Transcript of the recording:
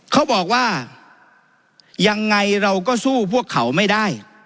เขาบอกว่ายังไงเราก็สู้พวกเขาไม่ได้